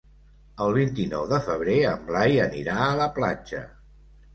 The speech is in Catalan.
El vint-i-nou de febrer en Blai anirà a la platja.